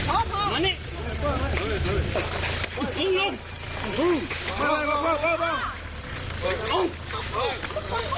โอ้โภ